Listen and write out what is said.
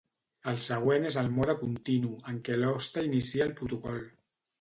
El següent és el mode continu, en què l'hoste inicia el protocol.